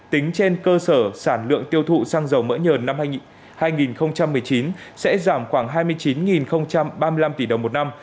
tính trên cơ sở sản lượng tiêu thụ xăng dầu mỡ nhờn năm hai nghìn một mươi chín sẽ giảm khoảng hai mươi chín ba mươi năm tỷ đồng một năm